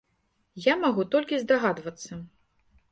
Я магу толькі здагадвацца.